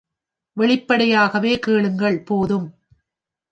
வெளிப்படையாகவே கேளுங்கள் போதும்.